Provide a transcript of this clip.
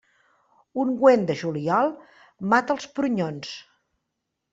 Ungüent de juliol, mata els prunyons.